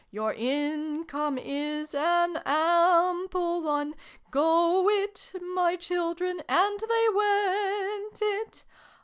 " Your income is an ample one ; Go if, my children!" (And they went if).